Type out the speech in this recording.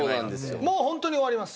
もうホントに終わります。